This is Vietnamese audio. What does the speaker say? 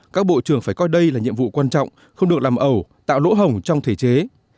các bộ trưởng phải coi đây là nhiệm vụ quan trọng không được làm ẩu tạo lỗ hổng trong thể chế